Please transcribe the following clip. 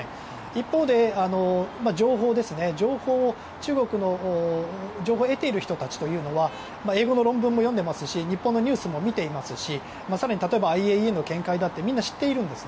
一方で情報ですね中国の情報を得ている人たちというのは英語の論文も読んでいますし日本のニュースも見ていますし更に、例えばＩＡＥＡの見解だってみんな知っています。